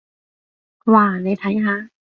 哇，你睇下！